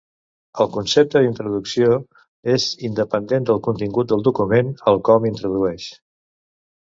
El concepte d'introducció és independent del contingut del document al com introdueix.